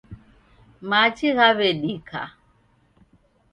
Machi ghaw'edika.